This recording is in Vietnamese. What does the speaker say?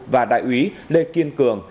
và đại úy lê kiên cường